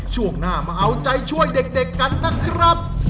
ช่วงหน้ามาเอาใจช่วยเด็กกันนะครับ